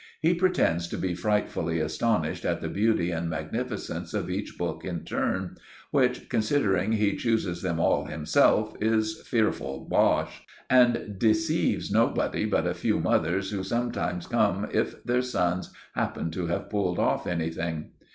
He pretends to be frightfully astonished at the beauty and magnificence of each book in turn; which, considering he chooses them all himself, is fearful bosh, and deceives nobody but a few mothers, who sometimes come if their sons happen to have pulled off anything.